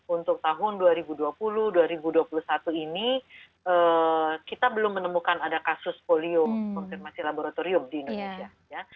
untuk tahun dua ribu dua puluh dua ribu dua puluh satu ini kita belum menemukan ada kasus polio konfirmasi laboratorium di indonesia